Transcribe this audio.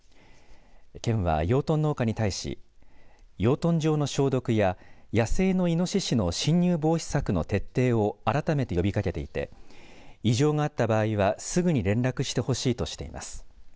県は養豚農家に対し養豚場の消毒や野生のイノシシの侵入防止策の徹底を改めて呼びかけていて異常があった場合はすぐに連絡してほしいとしています。